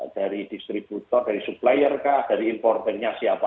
dari distributor dari supplier kah dari importernya siapa